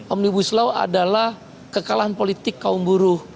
omnibus law adalah kekalahan politik kaum buruh